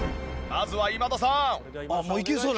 まずは今田さん。